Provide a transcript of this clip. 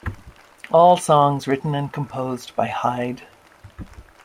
All songs written and composed by Hyde.